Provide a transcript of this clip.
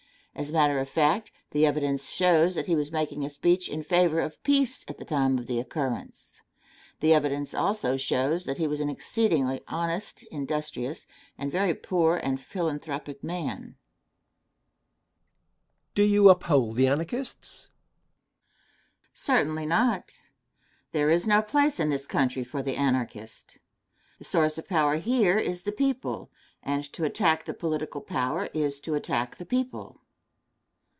As a matter of fact, the evidence shows that he was making a speech in favor of peace at the time of the occurrence. The evidence also shows that he was an exceedingly honest, industrious, and a very poor and philanthropic man. Question. Do you uphold the Anarchists? Answer. Certainly not. There is no place in this country for the Anarchist. The source of power here is the people, and to attack the political power is to attack the people.